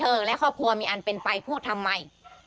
ขอให้เธอและครอบครัวมีอันเป็นไปพูดทำไม